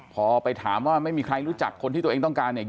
ตรงนี้คือหน้าซอยและในภาพกล้องอุงจรปิดแต่ก่อนหน้านี้เข้าไปในซอย